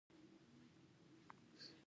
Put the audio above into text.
هغه غواړي چې درس ووايي.